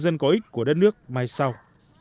dân có ích của đất nước mai sau